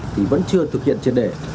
thì vẫn chưa thực hiện trên đề